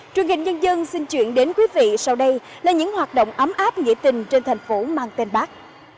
truyền hình nhân dân xin chuyển đến quý vị sau đây là những hoạt động ấm áp nghĩa tình trên thành phố mang tên bác